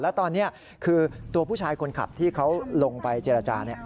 และตอนนี้คือตัวผู้ชายของกรรมที่เขาลงไปเจรจานี่